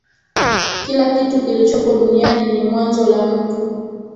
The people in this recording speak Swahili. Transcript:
kila kitu kilichopo duniani ni mwanzo la mtu